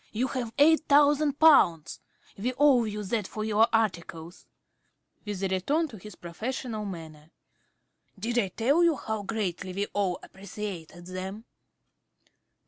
You have eight thousand pounds! We owe you that for your articles. (With a return to his professional manner.) Did I tell you how greatly we all appreciated them?